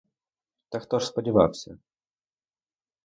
Та хто ж сподівався?